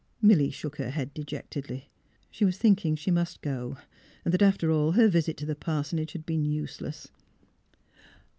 " Milly shook her head dejectedly. She was thinking she must go ; and that, after all, her visit to the parsonage had been useless.